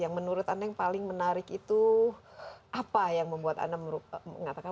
yang menurut anda yang paling menarik itu apa yang membuat anda mengatakan